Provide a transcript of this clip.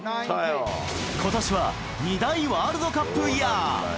ことしは２大ワールドカップイヤー。